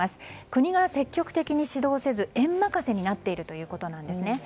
国が積極的に指導せず園任せになっているということなんですね。